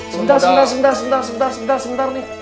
sebentar sebentar sebentar sebentar sebentar sebentar nih